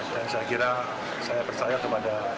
dan saya kira saya percaya kepada